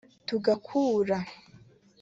tugakura